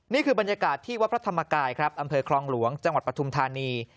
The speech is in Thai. นี่คือบรรยากาศที่วัดพระธรรมกายครับอำเภอคลองหลวงจังหวัดปฐุมธานี